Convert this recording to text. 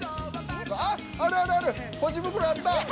ポチ袋あった！